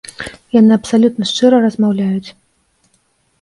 Яны абсалютна шчыра размаўляюць.